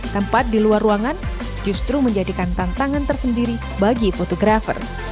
tempat di luar ruangan justru menjadikan tantangan tersendiri bagi fotografer